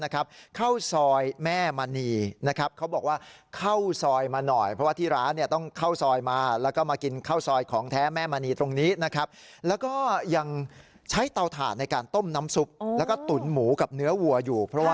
ข้าวซอยแม่มณีเขาบอกว่าข้าวซอยมาหน่อย